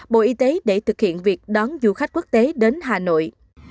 bộ y tế để thực hiện việc đón du khách quốc tế đến hà nội